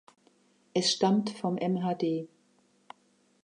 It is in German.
Es stammt vom mhd.